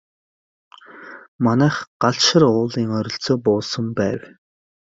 Манайх Галшар уулын ойролцоо буусан байв.